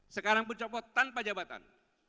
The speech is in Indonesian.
sekarang pun copot tanpa jabatan